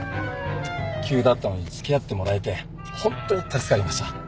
急だったのに付き合ってもらえてホントに助かりました。